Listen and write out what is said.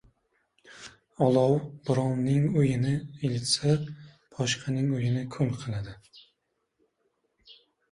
• Olov birovning uyini ilitsa, boshqaning uyini kul qiladi.